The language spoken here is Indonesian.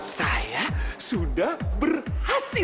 saya sudah berhasil